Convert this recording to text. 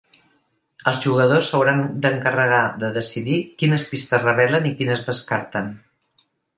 Els jugadors s’hauran d’encarregar de decidir quines pistes revelen i quines descarten.